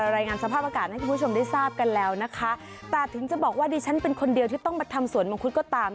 รายงานสภาพอากาศให้คุณผู้ชมได้ทราบกันแล้วนะคะแต่ถึงจะบอกว่าดิฉันเป็นคนเดียวที่ต้องมาทำสวนมังคุดก็ตาม